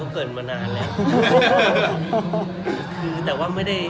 อ๋อเกิดมานานแล้ว